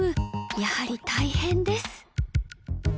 やはり大変です